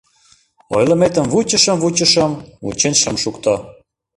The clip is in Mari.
Ойлыметым вучышым-вучышым — вучен шым шукто.